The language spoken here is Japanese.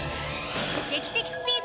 劇的スピード！